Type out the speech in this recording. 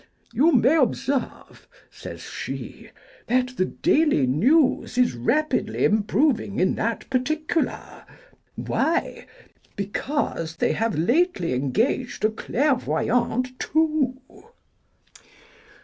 "You may observe," says she, "that the Daily News is rapidly improving in that particular. Why ? Because they have lately engaged a clair voyante, too